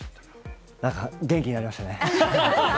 なんか元気になりましたね。